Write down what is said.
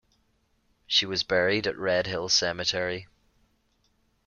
She was buried at Redhill Cemetery.